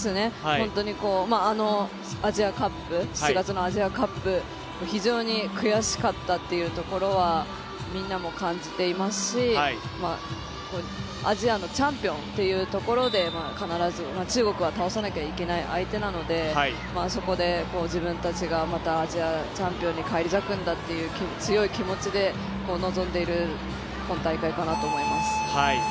本当に７月のアジアカップ非常に悔しかったというところはみんなも感じていますしアジアのチャンピオンというところで必ず中国は倒さなくちゃいけない相手なのでそこで自分たちがまたアジアチャンピオンに返り咲くんだという強い気持ちで臨んでいる今大会かなと思います。